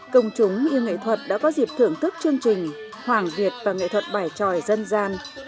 công chúng yêu nghệ thuật đã có dịp thưởng thức chương trình hoàng việt và nghệ thuật bài tròi dân gian